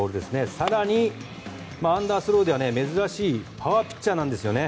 更に、アンダースローでは珍しいパワーピッチャーなんですね。